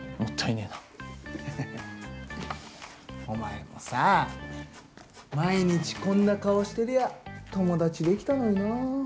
お前もさ毎日こんな顔してりゃ友達できたのにな。